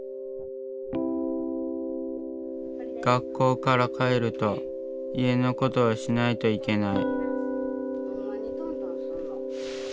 学校から帰ると家のことをしないといけない。